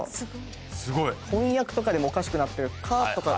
翻訳とかでおかしくなってるか？とか。